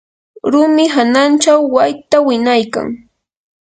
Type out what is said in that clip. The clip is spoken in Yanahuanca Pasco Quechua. rumi hananchaw wayta winaykan.